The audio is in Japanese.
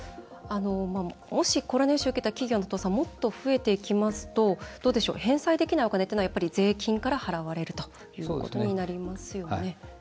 もしコロナ融資を受けた企業の倒産がもっと増えていきますと返済できないお金というのは税金から払われるということになりますよね。